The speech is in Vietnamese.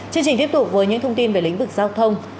chương trình tiếp tục với những thông tin về lĩnh vực giao thông